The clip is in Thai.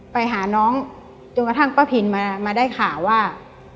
ไปหาน้องจนกระทั่งป้าพินมาได้ข่าวว่า